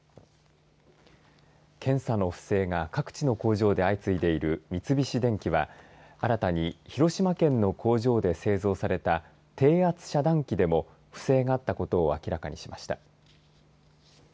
検査の不正が各地の工場で相次いでいる三菱電機は新たに広島県の工場で製造された低圧遮断器でも不正があったことを明らかにしました。